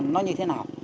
nó như thế nào